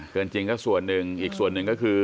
จริงก็ส่วนหนึ่งอีกส่วนหนึ่งก็คือ